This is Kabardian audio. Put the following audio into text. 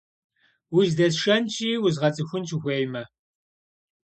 Уздэсшэнщи, уэзгъэцӀыхунщ, ухуеймэ.